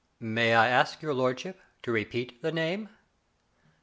" May I ask your lordship to repeat the name